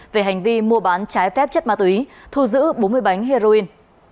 về hành vi mua bán trái phép chất ma túy thu giữ bốn mươi bánh heroin